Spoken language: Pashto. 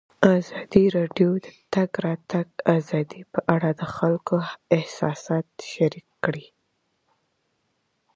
ازادي راډیو د د تګ راتګ ازادي په اړه د خلکو احساسات شریک کړي.